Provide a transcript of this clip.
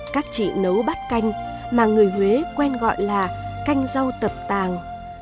các chị nấu bát canh mà người huế quen gọi là canh rau tập tàng